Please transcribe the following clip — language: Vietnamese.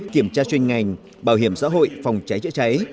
kiểm tra chuyên ngành bảo hiểm xã hội phòng cháy chữa cháy